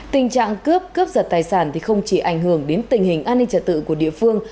tình trạng cướp cướp giật tài sản không chỉ ảnh hưởng đến tình hình an ninh trật tự của địa phương